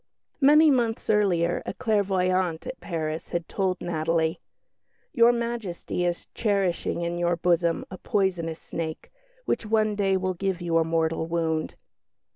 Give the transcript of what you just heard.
Many months earlier a clairvoyante at Paris had told Natalie, "Your Majesty is cherishing in your bosom a poisonous snake, which one day will give you a mortal wound."